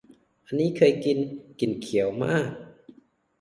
อันนี้เคยกิน กลิ่นเขียวมาก